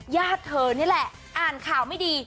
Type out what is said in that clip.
ญาติเธอนี่แหละอ่านข่าวไม่ดี